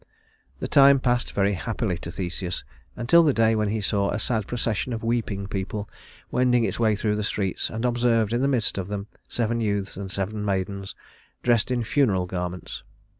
The time passed very happily to Theseus until the day when he saw a sad procession of weeping people wending its way through the streets, and observed in the midst of them seven youths and seven maidens dressed in funeral garments.